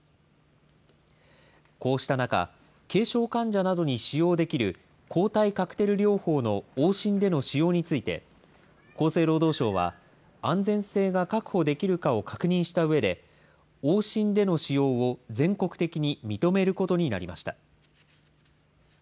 こうした中、軽症患者などに使用できる抗体カクテル療法の往診での使用について、厚生労働省は安全性が確保できるかを確認したうえで、往診での使用を全国的に認めることになりました。